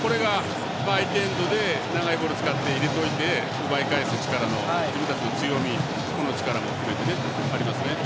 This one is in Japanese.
相手エンドで長いボール使っておいて奪い返す自分たちの強み、個の力も含めてありますね。